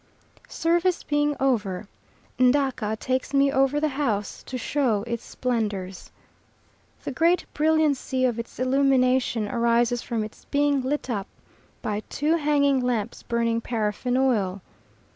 Service being over, Ndaka takes me over the house to show its splendours. The great brilliancy of its illumination arises from its being lit by two hanging lamps burning paraffin oil.